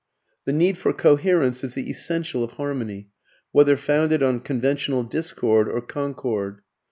The need for coherence is the essential of harmony whether founded on conventional discord or concord.